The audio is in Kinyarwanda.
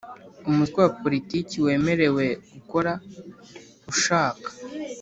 Umutwe wa Politiki wemerewe gukora ushaka